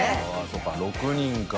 そうか６人か。